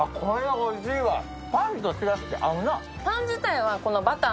パンとしらすって合うな。